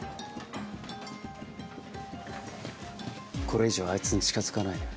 これ以上あいつに近づかないで。